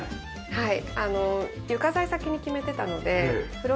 はい。